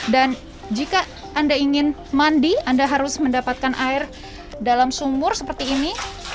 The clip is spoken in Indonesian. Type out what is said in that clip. dan jika anda ingin mandi anda harus mendapatkan air dalam sumur seperti ini